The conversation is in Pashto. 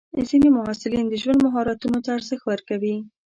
ځینې محصلین د ژوند مهارتونو ته ارزښت ورکوي.